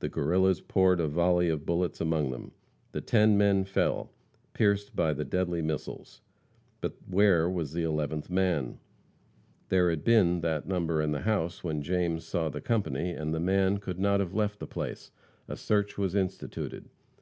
The Guerrillas poured a volley of bullets among them. The ten men fell, pierced by the deadly missiles. But where was the eleventh man? There had been that number in the house when James saw the company, and the man could not have left the place. A search was instituted.